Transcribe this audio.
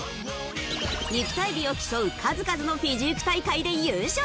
肉体美を競う数々のフィジーク大会で優勝！